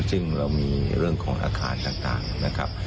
ซึ่งเรามีเรื่องของอาคารต่างนะครับ